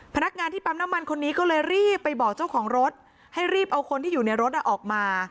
พนักงานที่ปั๊มน้ำมันคนนี้ก็เลยรีบไปบอกเจ้าของรถให้รีบเอาคนที่อยู่ในรถออกมา